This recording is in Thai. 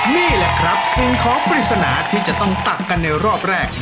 นี่แหละครับสิ่งของปริศนาที่จะต้องตักกันในรอบแรก